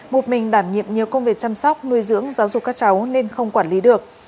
một mình đảm nhiệm nhiều công việc chăm sóc nuôi dưỡng giáo dục các cháu nên không quản lý được